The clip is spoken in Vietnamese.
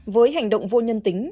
với hành động vô nhân tính